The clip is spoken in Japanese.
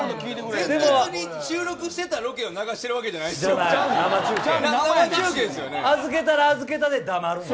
収録してたロケを流しているわけじゃないですよね。